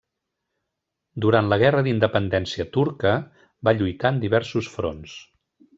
Durant la Guerra d'independència turca, va lluitar en diversos fronts.